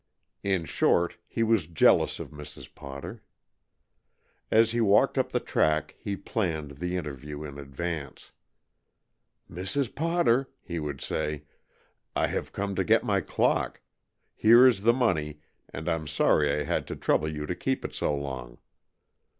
In short, he was jealous of Mrs. Potter. As he walked up the track he planned the interview in advance. "Mrs. Potter," he would say, "I have come to get my clock. Here is the money, and I'm sorry I had to trouble you to keep it so long."